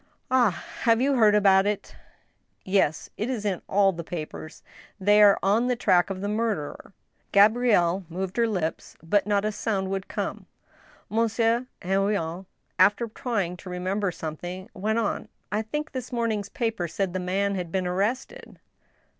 " Ah ! have you heard about it ?" "Yes; it is in all the papers. They are on the track of the murderer." Gabrielle moved her lips, but not a sound would come. Monsieur Henrion, after trying to remember something, went on :" I think this morning's paper said the man had been arrested."